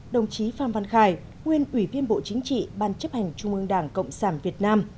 đồng chí phan văn khải nguyên ủy viên bộ chính trị ban chấp hành trung ương đảng cộng sản việt nam